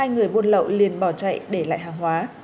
hai người buôn lậu liền bỏ chạy để lại hàng hóa